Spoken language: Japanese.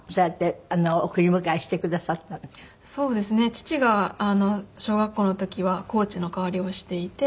父が小学校の時はコーチの代わりをしていて。